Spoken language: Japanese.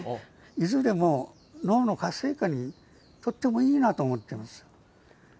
いずれも脳の活性化にとってもいいなと思ってます。